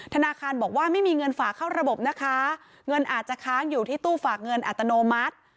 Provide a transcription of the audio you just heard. ธนาคารบอกว่าไม่มีเงินฝากเข้าระบบนะคะเงินอาจจะค้างอยู่ที่ตู้ฝากเงินอัตโนมัติ